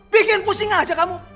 bikin pusing aja kamu